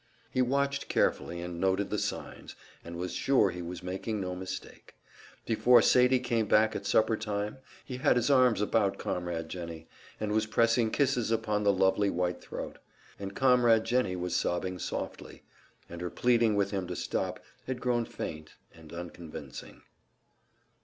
He watched carefully, and noted the signs, and was sure he was making no mistake; before Sadie came back at supper time he had his arms about Comrade Jennie, and was pressing kisses upon the lovely white throat; and Comrade Jennie was sobbing softly, and her pleading with him to stop had grown faint and unconvincing.